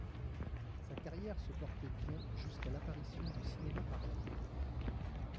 Sa carrière se portait bien jusqu'à l'apparition du cinéma parlant.